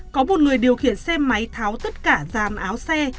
có một người điều khiển xe máy tháo tất cả dàn áo xe